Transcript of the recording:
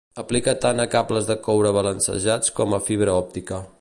Aplica tant a cables de coure balancejats com a fibra òptica.